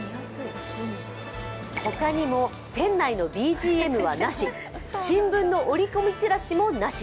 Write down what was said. ほかにも店内のＢＧＭはなし、新聞の折り込みチラシもなし。